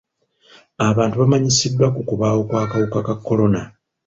Abantu bamanyisiddwa ku kubaawo kw'akawuka ka kolona.